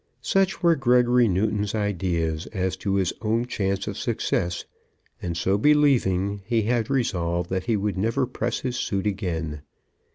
Such were Gregory Newton's ideas as to his own chance of success, and, so believing, he had resolved that he would never press his suit again.